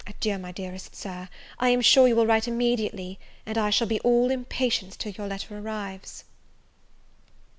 Adieu, my dearest Sir. I am sure you will write immediately, and I shall be all impatience till your letter arrives.